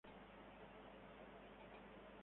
Fue difícil; la comida era terrible.